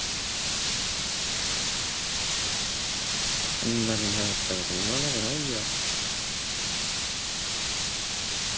こんなに迷ったこと今までないよ。